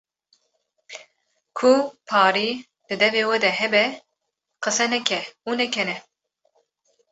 Ku parî di deve we de hebe qise neke û nekene